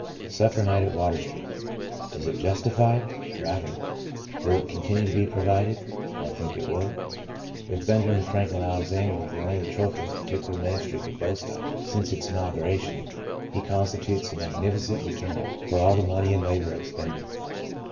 '' Supper Night at Water Street — is it justi fied? Rather. Will it continue to be provided? I think it will. If Benjamin Franklin Alexander were the only trophy this particular ministry could boast of since its inauguration, he constitutes a magnifi cent return for all the money and labour expended.